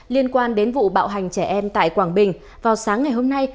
liên quan đến vụ bạo hành trẻ em tại quảng bình vào sáng ngày hôm nay